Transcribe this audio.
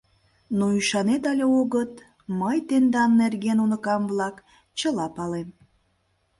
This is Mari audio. Но ӱшанет але огыт – мый тендан нерген, уныкам-влак, чыла палем».